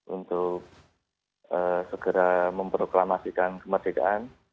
untuk segera memproklamasikan kemerdekaan